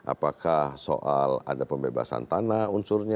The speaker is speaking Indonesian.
apakah soal ada pembebasan tanah unsurnya